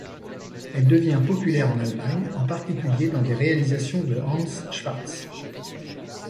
Elle devient populaire en Allemagne, en particulier dans des réalisations de Hanns Schwarz.